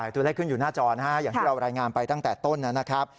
ตัวเลขขึ้นอยู่หน้าจอนะฮะอย่างที่เรารายงานไปตั้งแต่ต้นนะครับ